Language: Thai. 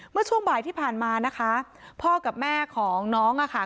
เมื่อช่วงบ่ายที่ผ่านมานะคะพ่อกับแม่ของน้องอะค่ะ